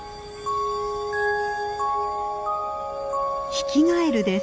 ヒキガエルです。